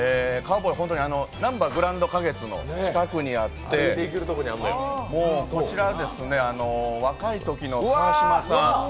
なんばグランド花月の近くにあってこちら、若いときの川島さん